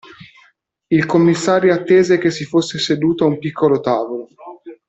Il commissario attese che si fosse seduto a un piccolo tavolo.